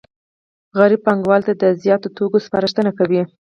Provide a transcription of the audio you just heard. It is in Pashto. سوداګر پانګوالو ته د زیاتو توکو سپارښتنه کوي